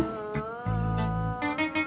kang tungguin iyun ya kang